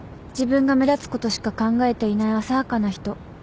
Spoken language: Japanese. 自分が目立つことしか考えていない浅はかな人。